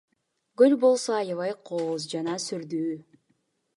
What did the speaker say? Көл болсо аябай кооз жана сүрдүү.